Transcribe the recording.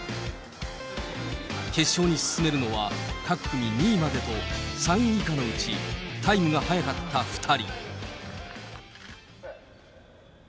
決勝に進めるのは各組２位までと、３位以下のうちタイムが速かった２人。